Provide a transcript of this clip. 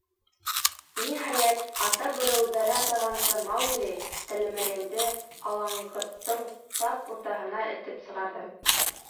Ниһайәт, Ата Бүре, үҙҙәре атағанса, Маугли — Тәлмәрйенде алаңғырттың тап уртаһына этеп сығарҙы.